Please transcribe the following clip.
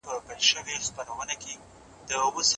ايا انلاين زده کړه د زده کړې موثریت زیاتوي؟